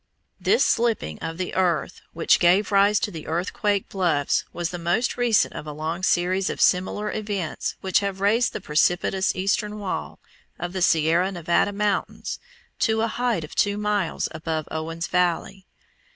This slipping of the earth which gave rise to the earthquake bluffs was the most recent of a long series of similar events which have raised the precipitous eastern wall of the Sierra Nevada mountains to a height of two miles above Owens Valley.